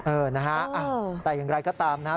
เออนะฮะแต่อย่างไรก็ตามนะครับ